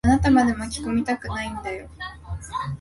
あなたまで巻き込みたくないんだよ。